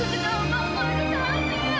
kenapa semuanya harus terjadi